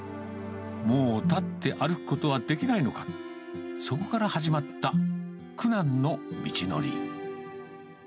もう立って歩くことはできないのか、そこから始まった苦難の道のり。